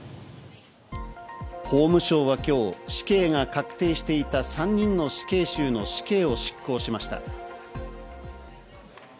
法務省は今日、死刑が確定していた３人の死刑囚の死刑を執行しました。